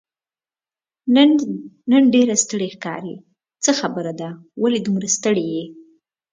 نن ډېر ستړی ښکارې، څه خبره ده، ولې دومره ستړی یې؟